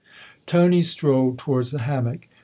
Tony strolled towards the hammock.